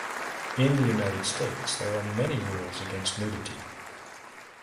In the United States, there are many rules against nudity.